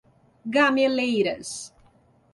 Gameleiras